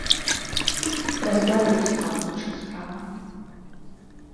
Разбяруцца там, у чым справа.